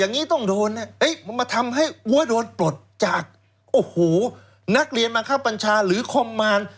อันนี้ต้องโดนเอ๊ะมาทำให้โว้ยโดนปลดจากโอ้โหนักเรียนมังคับปัญชาหรือคอมมาร